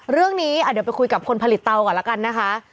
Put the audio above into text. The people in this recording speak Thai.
เรื่องนี้เดี๋ยวไปคุยกับคนผลิตเตาก่อนแล้วกันนะคะ